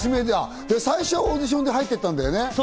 最初はオーディションで入っていったんだよね？